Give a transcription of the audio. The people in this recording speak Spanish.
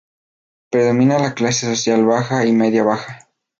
Predomina la clase social baja y media-baja.